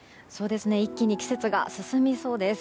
一気に季節が進みそうです。